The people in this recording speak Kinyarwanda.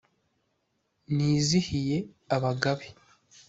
Nizihiye abagabe,